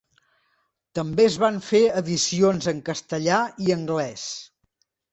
També es van fer edicions en castellà i anglès.